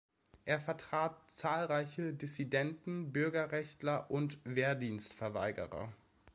Er vertrat zahlreiche Dissidenten, Bürgerrechtler und Wehrdienstverweigerer.